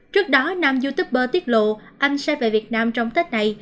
trước đó nam youtuber tiết lộ anh sẽ về việt nam trong tết này